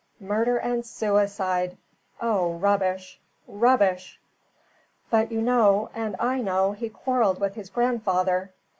Murder and Suicide! Oh, rubbish rubbish!" "But you know, and I know, he quarrelled with his grandfather."